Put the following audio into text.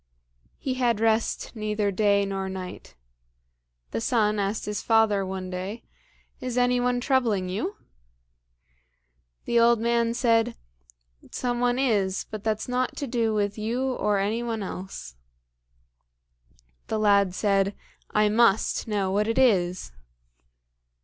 He had rest neither day nor night. The son asked his father one day, "Is any one troubling you?" The old man said, "Some one is, but that's nought to do with you nor any one else." The lad said, "I must know what it is."